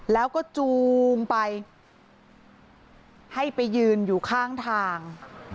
แล้วก็จูงไปให้ไปยืนอยู่ข้างทาง